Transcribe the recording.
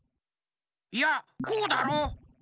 いやこうだろ。